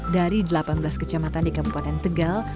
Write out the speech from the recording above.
dari delapan belas kecamatan di kabupaten tegal